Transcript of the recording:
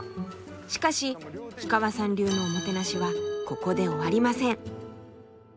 しかし氷川さん流のおもてなしはここで終わりません。